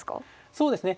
そうですね